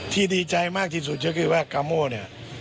ดีใจมากที่สุดก็คือว่ากาโม่เนี่ย